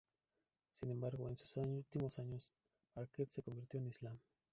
Sin embargo, en sus últimos años Arquette se convirtió al islam.